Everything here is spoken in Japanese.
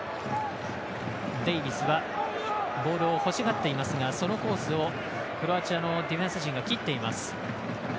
デイビスはボールを欲しがっていますがそのコースをクロアチアのディフェンス陣が切っています。